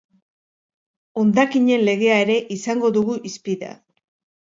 Hondakinen legea ere izango dugu hizpide.